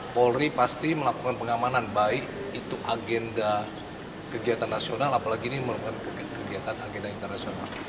polri pasti melakukan pengamanan baik itu agenda kegiatan nasional apalagi ini merupakan kegiatan agenda internasional